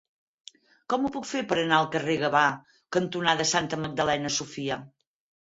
Com ho puc fer per anar al carrer Gavà cantonada Santa Magdalena Sofia?